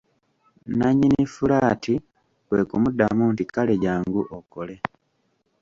Nannyini fulaati kwe kumuddamu nti:"kale jjangu okole"